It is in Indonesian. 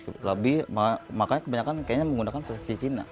nah lebih tipis makanya kebanyakan menggunakan fleksi cina